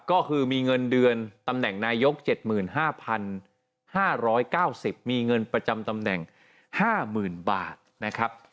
ก็คือมีเงินเดือนตำแหน่งนายก๗๕๕๙๐มีเงินประจำตำแหน่ง๕๐๐๐บาทนะครับ